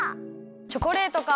チョコレートか。